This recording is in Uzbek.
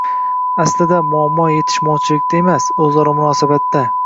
Aslida muammo kelishmovchilikda emas, o‘zaro munosabatda.